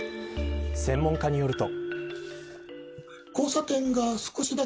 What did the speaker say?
専門家によると。